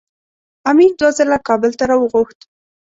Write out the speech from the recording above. امیر دوه ځله کابل ته راوغوښت.